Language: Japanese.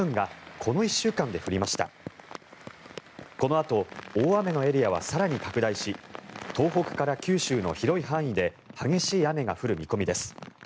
このあと大雨のエリアは更に拡大し東北から九州の広い範囲で激しい雨が降る見込みです。